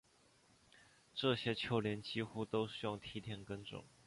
这些丘陵几乎都是用梯田耕种